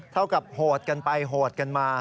เท่ากับโหดกันไปโหดกันมา